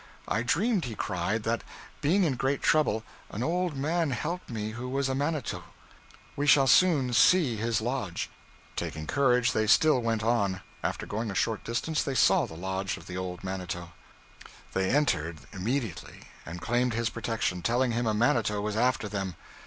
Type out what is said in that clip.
'I dreamed,' he cried, 'that, being in great trouble, an old man helped me who was a manito; we shall soon see his lodge.' Taking courage, they still went on. After going a short distance they saw the lodge of the old manito. They entered immediately and claimed his protection, telling him a manito was after them.